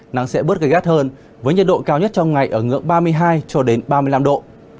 nắng sẽ bớt gây gắt hơn với nhiệt độ cao nhất trong ngày ở ngưỡng ba mươi hai cho đến ba mươi năm độ